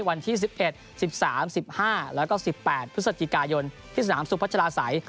วันที่๑๑๑๓๑๕แล้วก็๑๘พฤศจิกายนที่สนามสุพัชลาศัย